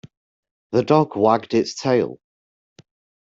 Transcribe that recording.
The dog was wagged its tail.